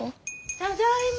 ただいま。